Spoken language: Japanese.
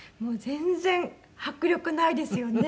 全然迫力ないですよね。